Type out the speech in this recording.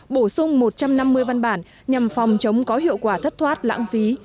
bổ sung một trăm năm mươi văn bản nhằm phòng chống có hiệu quả thất thoát lãng phí